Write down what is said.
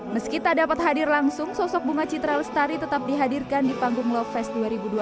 meski tak dapat hadir langsung sosok bunga citra lestari tetap dihadirkan di panggung love fest dua ribu dua puluh